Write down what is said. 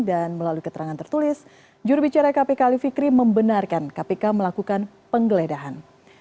dan melalui keterangan tertulis jurubicara kpk alif fikri membenarkan kpk melakukan penggeledahan